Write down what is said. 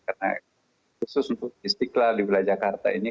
karena khusus untuk istiqlal di wilayah jakarta ini